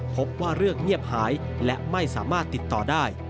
พบว่าเรื่องเงียบหายและไม่สามารถติดต่อได้